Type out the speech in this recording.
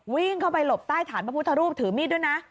วิ่งเข้าไปหลบใต้ฐานพระพุทธรูปถือมีดด้วยนะ